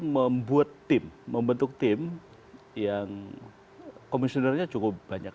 membuat tim membentuk tim yang komisionernya cukup banyak